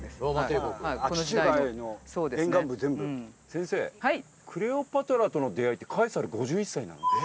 先生クレオパトラとの出会いってカエサル５１歳なの？